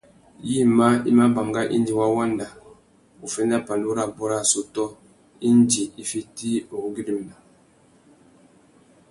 Yïmá i mà banga indi wa wanda uffénda pandú rabú râ assôtô indi i fiti uwú güérémena.